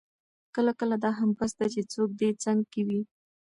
کله کله دا هم بس ده چې څوک دې څنګ کې وي.